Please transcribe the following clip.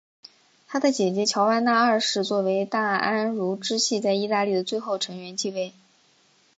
他的姐姐乔万娜二世作为大安茹支系在意大利的最后成员继位。